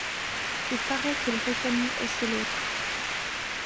Il paraît qu’il reconnut aussi l’autre.